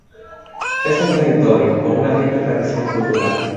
Es un territorio con una rica tradición cultural.